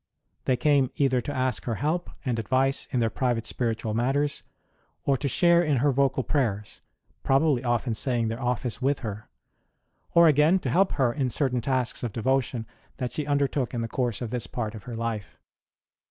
They came either to ask her help and advice in their private spiritual matters, or to share in her vocal prayers pro bably often saying their office with her ; or, again, to help her in certain tasks of devotion that she undertook in the course of this part of her life.